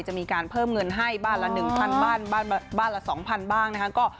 จะมีการเพิ่มเงินให้บ้านละ๑๐๐๐บ้านบ้านละ๒๐๐๐บ้างนะคะ